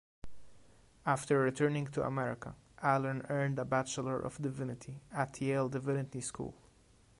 After returning to America, Allen earned a Bachelor of Divinity at Yale Divinity School.